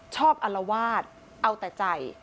อลวาดเอาแต่ใจ